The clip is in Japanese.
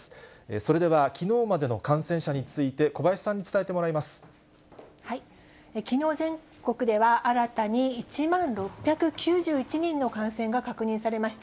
それでは、きのうまでの感染者について、きのう、全国では新たに１万６９１人の感染が確認されました。